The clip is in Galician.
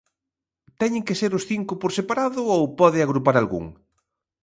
¿Teñen que ser os cinco por separado ou pode agrupar algún?